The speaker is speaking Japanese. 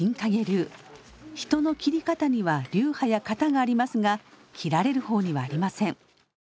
人の斬り方には流派や型がありますが斬られる方にはありません。